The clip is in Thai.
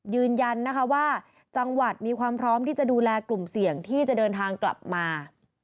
ยืนยันนะคะว่าจังหวัดมีความพร้อมที่จะดูแลกลุ่มเสี่ยงที่จะเดินทางกลับมา